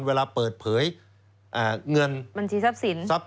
เวลาเปิดเผยเงินบัญชีทรัพย์สิน